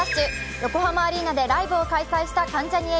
横浜アリーナでライブを開催した関ジャニ∞。